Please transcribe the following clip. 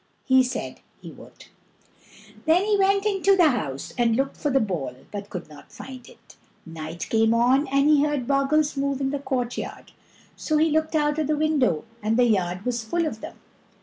He said he would. Then he went into the house, and looked for the ball, but could not find it. Night came on and he heard bogles move in the courtyard; so he looked out o' the window, and the yard was full of them.